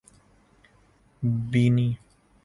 بینی